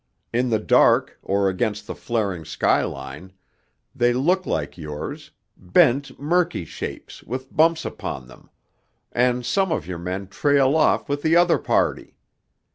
In the dark, or against the flaring skyline, they look like yours, bent, murky shapes with bumps upon them, and some of your men trail off with the other party.